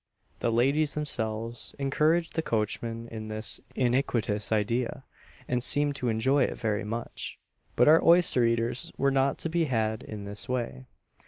The ladies themselves encouraged the coachman in this "iniquitous idea," and seemed to enjoy it very much; but our oyster eaters were not to be had in this way.